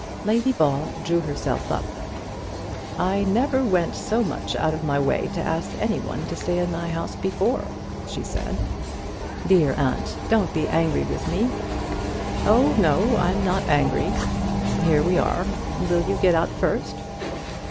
Lady Ball drew herself up. "I never went so much out of my way to ask any one to stay in my house before," she said. "Dear aunt! don't be angry with me." "Oh no! I'm not angry. Here we are. Will you get out first?"